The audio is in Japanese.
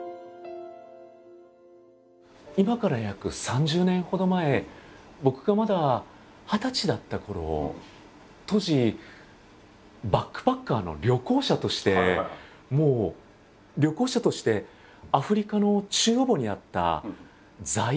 今から約３０年ほど前僕がまだ二十歳だったころ当時バックパッカーの旅行者としてもう旅行者としてアフリカの中央部にあったザイール。